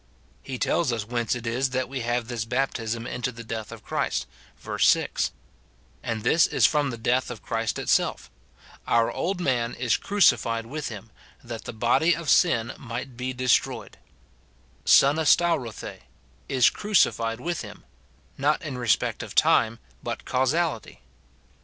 He tells us whence it is that we have this baptism into the death of Christ, verse 6 ; and this is from the death of Christ it self :" Our old man is crucified with him, that the body of sin might be destroyed;" tfuvgtfTaupw^jj, "is crucified with him," not in respect of time, but causality.